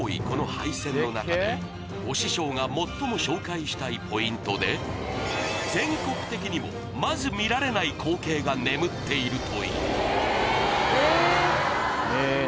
この廃線の中で推し匠が最も紹介したいポイントで全国的にもまず見られない光景が眠っているというえぇ！